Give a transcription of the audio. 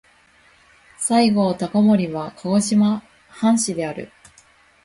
西郷隆盛は鹿児島藩士である。